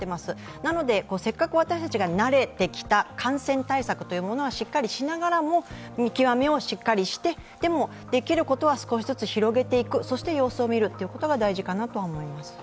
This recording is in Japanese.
なので、せっかく私たちが慣れてきた感染対策はしっかりしながらも見極めをしっかりして、でもできることは少しずつ広げていくそして様子を見ることが大事かなとは思います。